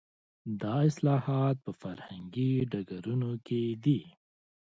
دا اصلاحات په فرهنګي ډګرونو کې دي.